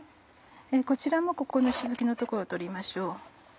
こちらもここの石突きの所を取りましょう。